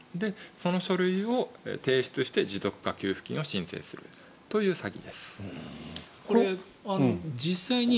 その書類を提出して持続化給付金を申請するという詐欺です。